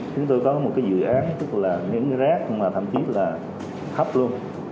chúng tôi có một dự án tức là hướng rác mà thậm chí là khắp luôn